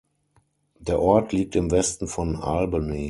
Der Ort liegt im Westen von Albany.